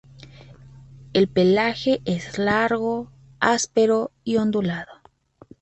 El pelaje es largo, áspero y ondulado.